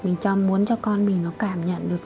mình muốn cho con mình nó cảm nhận được